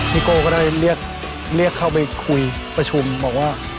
โก้ก็ได้เรียกเข้าไปคุยประชุมบอกว่า